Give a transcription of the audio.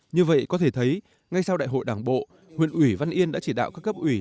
như vậy có thể thấy ngay sau đại hội đảng bộ huyện ủy văn yên đã chỉ đạo các cấp ủy